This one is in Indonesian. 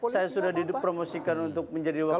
saya sudah dipromosikan untuk menjadi wakil